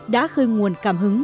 đã khơi nguồn cảm hứng